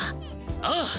ああ。